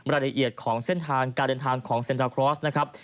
รายละเอียดของเส้นทางการเดินทางของเซ็นดาครอสนะครับ